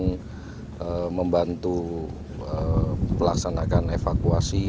kita akan membantu pelaksanakan evakuasi